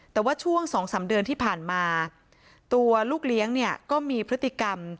แต่ว่าช่วง๒๓เดือนที่ผ่านมาตัวลูกเลี้ยงเนี่ยก็มีพฤติกรรม